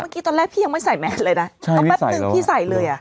เมื่อกี้ตอนแรกพี่ยังไม่ใส่แมสเลยนะใช่ไม่ใส่แล้วเอาแป๊บนึงพี่ใส่เลยอ่ะ